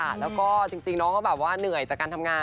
แล้วก็จริงน้องก็แบบว่าเหนื่อยจากการทำงาน